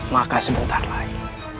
maka sebentar lagi